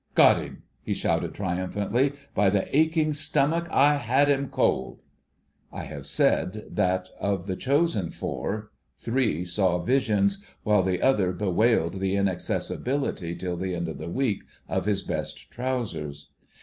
"Got him!" he shouted triumphantly. "By the aching stomach, I had him cold!" I have said that of the Chosen Four—three saw visions, while the other bewailed the inaccessibility till the end of the week of his best trousers.